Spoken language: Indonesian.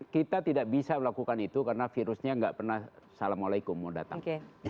kita tidak bisa melakukan itu karena virusnya nggak pernah assalamualaikum mau datang